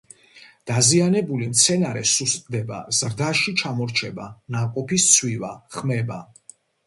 დაზიანებული მცენარე სუსტდება, ზრდაში ჩამორჩება, ნაყოფი სცვივა, ხმება.